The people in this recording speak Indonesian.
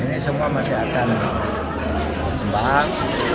ini semua masih akan berkembang